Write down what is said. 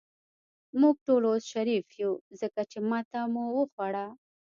موږ ټول اوس شریف یو، ځکه چې ماته مو وخوړه.